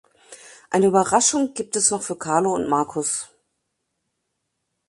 Eine Überraschung gibt es noch für Carlo und Markus.